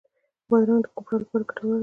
بادرنګ د کوپرا لپاره ګټور دی.